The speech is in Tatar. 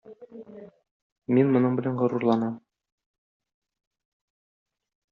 Мин моның белән горурланам.